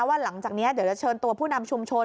หลังจากนี้เดี๋ยวจะเชิญตัวผู้นำชุมชน